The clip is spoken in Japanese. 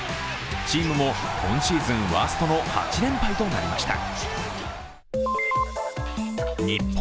チームも今シーズンワーストの８連敗となりました。